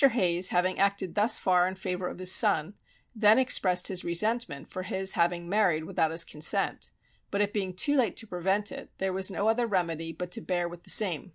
Hayes having acted thus far in favour of his son, then expressed his resentment for his having married without his consent; but it being too late to prevent it, there was no other remedy but to bear with the same.